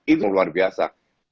itu luar biasa